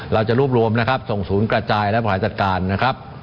เราจะรวบรวมนะครับส่งศูนย์กระจายและบริหารจัดการนะครับ